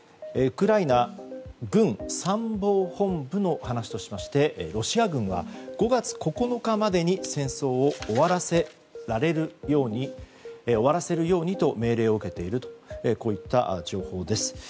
ウクライナ軍参謀本部の話としましてロシア軍は５月９日までに戦争を終わらせるようにと命令を受けているとこういった情報です。